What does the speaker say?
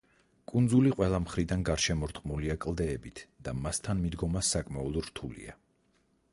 კუნძული ყველა მხრიდან გარშემორტყმულია კლდეებით და მასთან მიდგომა საკმაოდ რთულია.